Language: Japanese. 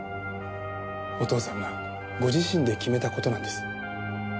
お父さんがご自身で決めた事なんです。